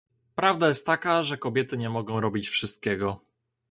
Prawda jest taka, że kobiety nie mogą robić wszystkiego